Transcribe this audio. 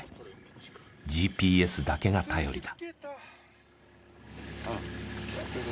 ＧＰＳだけが頼りだ。